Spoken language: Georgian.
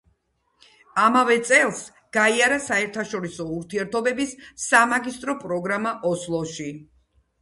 ამავე წელს გაიარა საერთაშორისო ურთიერთობების სამაგისტრო პროგრამა ოსლოში.